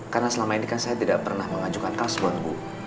karena selama ini kan saya tidak pernah mengajukan kasbon bu